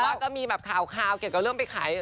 ก็มีแบบข่าวเกี่ยวกับเรื่องไปขาย